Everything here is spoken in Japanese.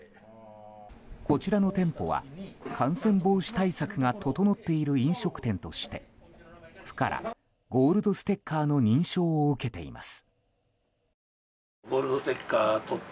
こちらの店舗は感染防止対策が整っている飲食店として府からゴールドステッカーの認証を受けています。